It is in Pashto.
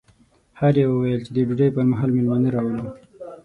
هر یوه ویل چې د ډوډۍ پر مهال مېلمانه راولو.